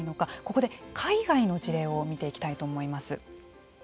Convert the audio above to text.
ここで海外の事例を見ていきたいと思います。